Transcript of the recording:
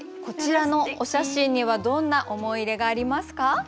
こちらのお写真にはどんな思い入れがありますか？